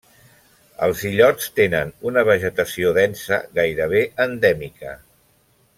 Els illots tenen una vegetació densa gairebé endèmica.